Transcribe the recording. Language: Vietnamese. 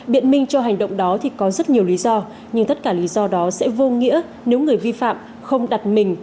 biện minh cho hành động đó thì có rất nhiều lý do nhưng tất cả lý do đó sẽ vô nghĩa nếu người vi phạm không đặt mình